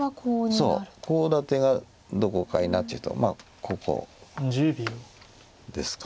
そうコウ立てが「どこかいな？」というとまあここですか。